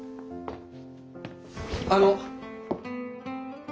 あの。